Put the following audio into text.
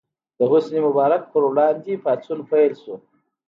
د حسن مبارک پر وړاندې پاڅون پیل شو.